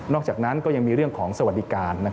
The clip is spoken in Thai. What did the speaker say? อกจากนั้นก็ยังมีเรื่องของสวัสดิการ